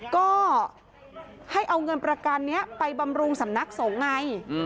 ก็ให้เอาเงินประกันนี้ไปบำรุงสำนักสงฆ์ไง